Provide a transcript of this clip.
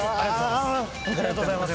ありがとうございます。